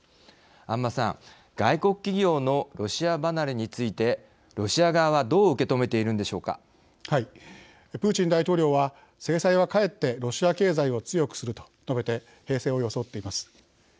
安間さん、外国企業のロシア離れについてロシア側はプーチン大統領は「制裁は、かえってロシア経済を強くする」と述べて平静を装っています。